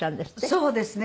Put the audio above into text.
そうですね。